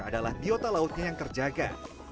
adalah biota lautnya yang terjaga